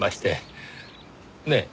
ねえ。